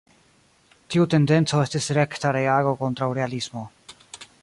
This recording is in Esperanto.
Tiu tendenco estis rekta reago kontraŭ realismo.